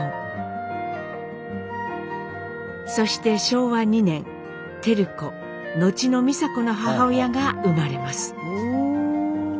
そして昭和２年照子後の美佐子の母親が生まれます。